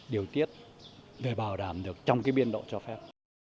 điều tiết để bảo đảm được trong biên độ cho phép